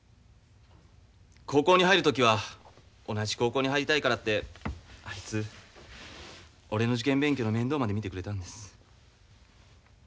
高校に入る時は同じ高校に入りたいからってあいつ俺の受験勉強の面倒まで見てくれたんです。